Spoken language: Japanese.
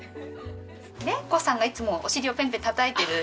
玲子さんがいつもお尻をペンペンたたいてる。